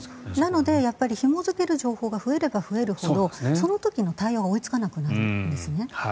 なので、ひも付ける情報が増えれば増えるほどその時の対応が追いつかなくなるんですね。